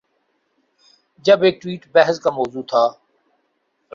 جب ایک ٹویٹ بحث کا مو ضوع تھا۔